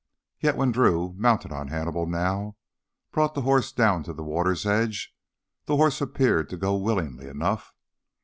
Yet when Drew, mounted on Hannibal now, brought the horse down to the water's edge, the horse appeared to go willingly enough.